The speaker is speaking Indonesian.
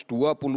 pada tahun ini